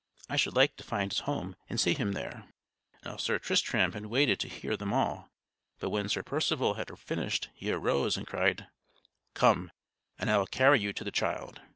I should like to find his home and see him there." Now Sir Tristram had waited to hear them all; but when Sir Percival had finished, he arose and cried: "Come, and I will carry you to the child!"